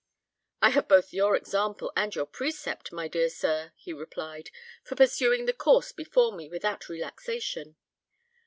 "I have both your example and your precept, my dear sir," he replied, "for pursuing the course before me without relaxation.